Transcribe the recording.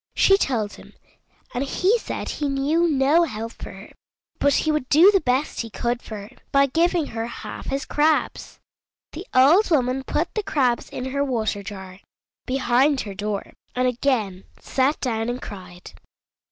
She told him, and he said he knew no help for her, but he would do the best he could for her by giving her half his crabs. The old woman put the crabs in her water jar, behind her door, and again sat down and cried.